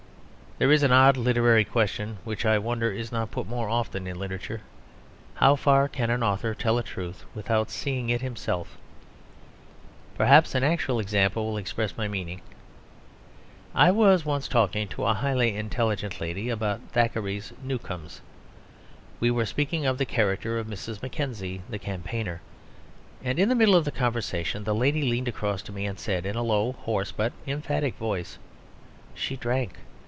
There is an odd literary question which I wonder is not put more often in literature. How far can an author tell a truth without seeing it himself? Perhaps an actual example will express my meaning. I was once talking to a highly intelligent lady about Thackeray's Newcomes. We were speaking of the character of Mrs. Mackenzie, the Campaigner, and in the middle of the conversation the lady leaned across to me and said in a low, hoarse, but emphatic voice, "She drank.